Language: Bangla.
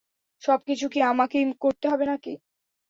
সবকিছু কি আমাকেই করতে হবে নাকি?